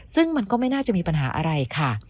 ซึ่งมันก็ไม่น่าจะมีปัญหาอะไรค่ะ